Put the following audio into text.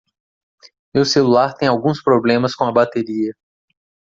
Meu celular tem alguns problemas com a bateria.